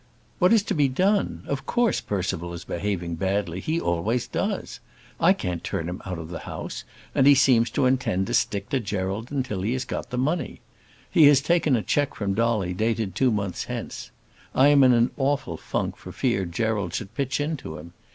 What is to be done? Of course Percival is behaving badly. He always does. I can't turn him out of the house, and he seems to intend to stick to Gerald till he has got the money. He has taken a cheque from Dolly dated two months hence. I am in an awful funk for fear Gerald should pitch into him.